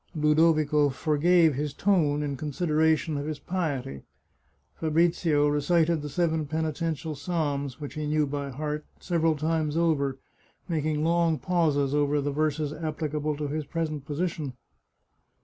Ludovico forgave his tone in consideration of his piety. Fabrizio recited the seven penitential psalms, which he knew by heart, several times over, making long pauses over the verses applicable to his present position.